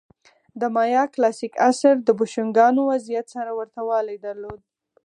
د مایا کلاسیک عصر د بوشونګانو وضعیت سره ورته والی درلود.